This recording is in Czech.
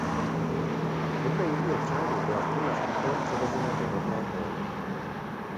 Podle jejího přání byla urna s popelem převezena do rodné Polné.